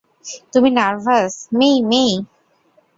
তুমি নার্ভাস, মেই-মেই?